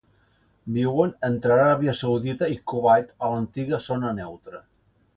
Viuen entre Aràbia Saudita i Kuwait a l'antiga zona neutra.